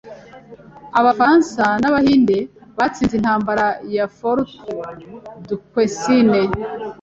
Abafaransa n'Abahinde batsinze Intambara ya Fort Duquesne.